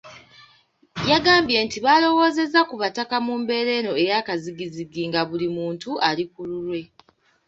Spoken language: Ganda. Yagambye nti balowoozezza ku Bataka mu mbeera eno eyakazigizigi nga buli muntu ali ku lulwe.